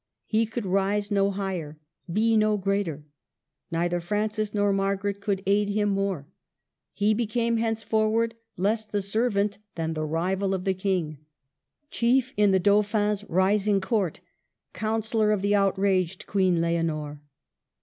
He could rise no higher, be no greater. Neither Francis nor Margaret could aid him more. He became henceforward less the ser vant than the rival of the King, chief in the Dauphin's rising Court, counsellor of the out raged Queen Leonor.